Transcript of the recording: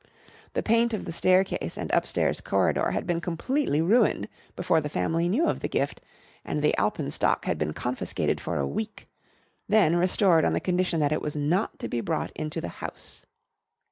The paint of the staircase and upstairs corridor had been completely ruined before the family knew of the gift, and the alpenstock had been confiscated for a week, then restored on the condition that it was not to be brought into the house.